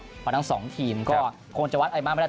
เพราะทั้งสองทีมก็คงจะวัดไอมาร์ไม่ได้